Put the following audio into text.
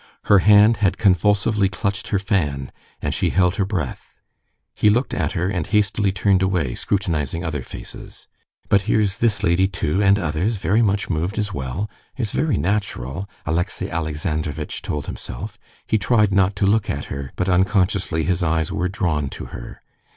Her hand had convulsively clutched her fan, and she held her breath. He looked at her and hastily turned away, scrutinizing other faces. "But here's this lady too, and others very much moved as well; it's very natural," Alexey Alexandrovitch told himself. He tried not to look at her, but unconsciously his eyes were drawn to her.